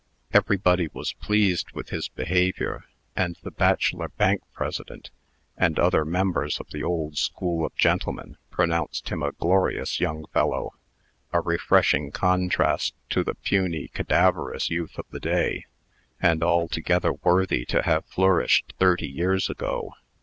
Everybody was pleased with his behavior; and the bachelor Bank President, and other members of the old school of gentlemen, pronounced him a glorious young fellow, a refreshing contrast to the puny, cadaverous youth of the day, and altogether worthy to have flourished thirty years ago.